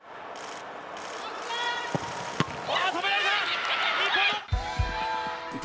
止められた！